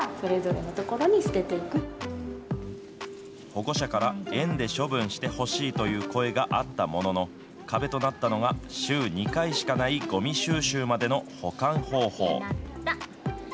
保護者から園で処分してほしいという声があったものの、壁となったのが、週２回しかないごみ収集までの保管方法。